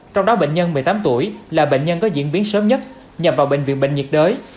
trong đó bệnh nhân một mươi tám tuổi là bệnh nhân có diễn biến sớm nhất nhằm vào bệnh viện bệnh nhiệt đới